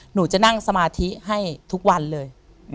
หนูจะนั่งสมาธิให้ทุกวันเลย